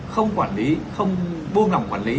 không quản lý không buông lòng quản lý